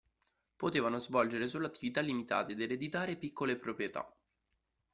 Potevano svolgere solo attività limitate ed ereditare piccole proprietà.